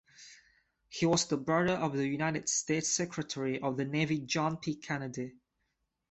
He was the brother of United States Secretary of the Navy John P. Kennedy.